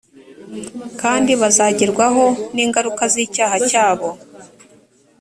kandi bazagerwaho n ingaruka z icyaha cyabo